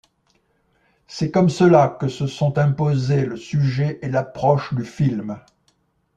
C’est comme cela que se sont imposés le sujet et l’approche du film.